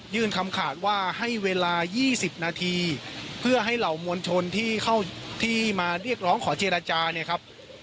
คำขาดว่าให้เวลา๒๐นาทีเพื่อให้เหล่ามวลชนที่เข้าที่มาเรียกร้องขอเจรจาเนี่ยครับ